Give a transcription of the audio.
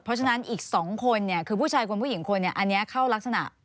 เพราะฉะนั้นอีก๒คนคือผู้ชายคนผู้หญิงคนอันนี้เข้ารักษณะ